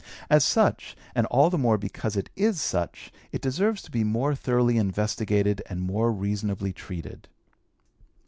As such, and all the more because it is such, it deserves to be more thoroughly investigated and more reasonably treated.